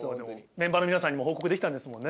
メンバーの皆さんにも報告できたんですもんね。